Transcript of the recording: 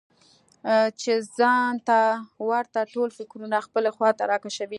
چې ځان ته ورته ټول فکرونه خپلې خواته راکشوي.